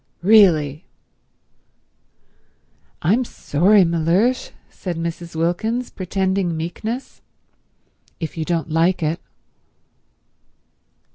"Really—" "I'm sorry, Mellersh," said Mrs. Wilkins, pretending meekness, "if you don't like it."